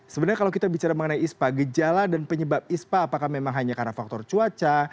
sebenarnya kalau kita bicara mengenai ispa gejala dan penyebab ispa apakah memang hanya karena faktor cuaca